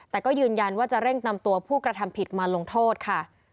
แต่ก็ยืนยันว่าจะเร่งนำตัวผู้กระทำผิดมาลงโทษค่ะ